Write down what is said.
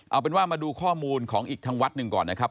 เอาเป็นว่ามาดูข้อมูลของอีกทางวัดหนึ่งก่อนนะครับ